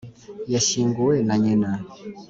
yashyinguwe na nyina